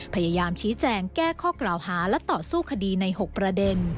พยายามชี้แจงแก้ข้อกล่าวหาและต่อสู้คดีใน๖ประเด็น